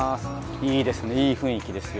いいですねいい雰囲気ですよ。